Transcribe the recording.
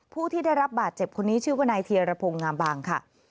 ผู้ที่ได้รับบาดเจ็บคนนี้ชื่อว่านายเทียรพงศ์งามบางค่ะ